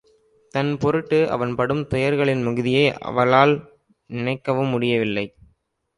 தன்பொருட்டு அவன் படும் துயர்களின் மிகுதியை அவளால் நினைக்கவும் முடியவில்லை.